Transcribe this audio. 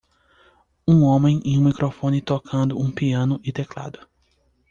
Um homem em um microfone tocando um piano e teclado.